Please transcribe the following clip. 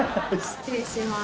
失礼します。